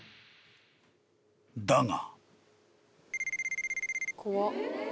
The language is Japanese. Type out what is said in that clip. ［だが］